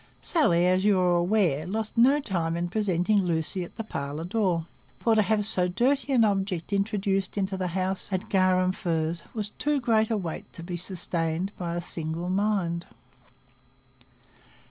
Sally, as you are aware, lost no time in presenting Lucy at the parlour door, for to have so dirty an object introduced into the house at Garum Firs was too great a weight to be sustained by a single mind.